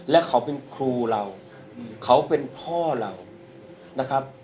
และเขาเป็นครูเราเขาเป็นพ่อเรานะครับ